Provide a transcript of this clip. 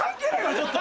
ちょっと。